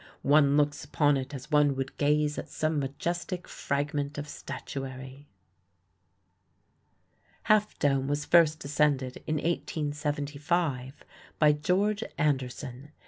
One looks upon it as one would gaze at some majestic fragment of statuary." Half Dome was first ascended in 1875 by George Anderson.